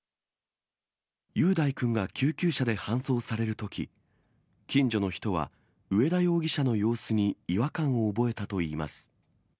雄大君が救急車で搬送されるとき、近所の人は、上田容疑者の様子に違和感を覚えたといいます。